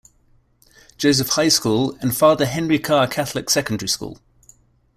Joseph High School, and Father Henry Carr Catholic Secondary School.